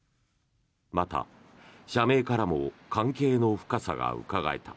また、社名からも関係の深さがうかがえた。